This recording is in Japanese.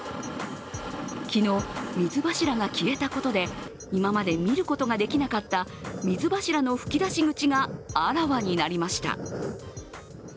昨日、水柱が消えたことで今まで見ることができなかった水柱の噴き出し口があらわになりました。